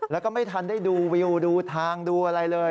แล้วก็ไม่ทันได้ดูวิวดูทางดูอะไรเลย